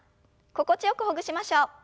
心地よくほぐしましょう。